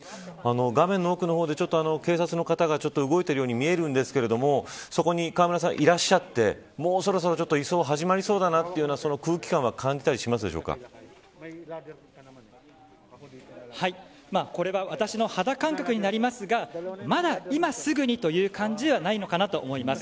画面の奥の方で警察の方が動いているように見えるんですけどもそこに河村さんいらっしゃってもうそろそろ移送が始まりそうだなというこれは私の肌感覚になりますがまだ今すぐに、という感じではないのかなと思います。